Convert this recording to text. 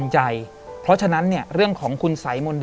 จริงหรอ